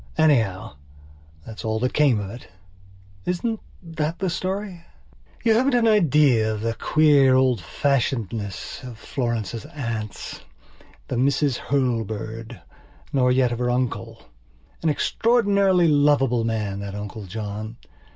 Anyhow, that is all that came of it. Isn't that a story? You haven't an idea of the queer old fashionedness of Florence's auntsthe Misses Hurlbird, nor yet of her uncle. An extraordinarily lovable man, that Uncle John.